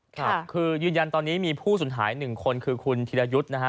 ครับคือยืนยันตอนนี้มีผู้สูญหาย๑คนคือคุณธิรยุทธ์นะฮะ